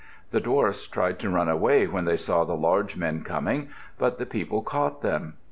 The dwarfs tried to run away when they saw the large men coming. But the people caught them.